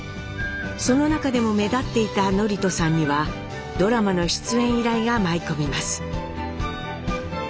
その中でも目立っていた智人さんにはドラマの出演依頼が舞い込みます。